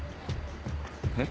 えっ？